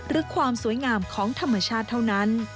หรือความสวยงามของธรรมชาติเท่านั้น